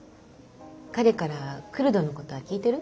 彼からクルドのことは聞いてる？